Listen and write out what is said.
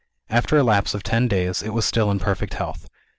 After a lapse of ten days, it is still in perfect health.